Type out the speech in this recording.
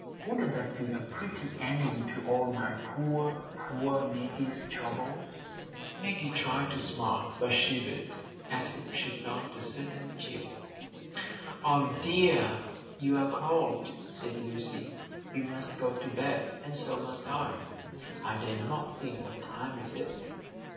Wouldn't that be a pretty ending to all my poor, poor Maggie's troubles?" Maggie tried to smile, but shivered, as if she felt a sudden chill. "Ah, dear, you are cold," said Lucy. "You must go to bed; and so must I. I dare not think what time it is."